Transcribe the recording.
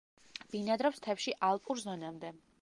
ბინადრობს მთებში ალპურ ზონამდე.